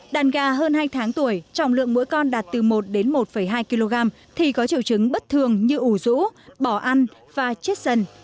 đàn gà hơn hai tháng tuổi trọng lượng mỗi con đạt từ một đến một hai kg thì có triệu chứng bất thường như ủ rũ bỏ ăn và chết dần